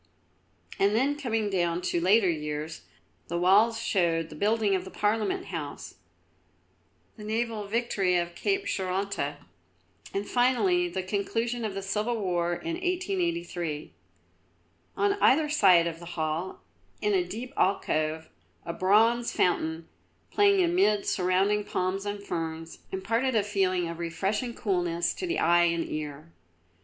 And then coming down to later years, the walls showed the building of the Parliament House: the naval victory of Cape Cheronta, and finally the conclusion of the Civil War in 1883. On either side of the hall, in a deep alcove, a bronze fountain, playing amid surrounding palms and ferns, imparted a feeling of refreshing coolness to the eye and ear.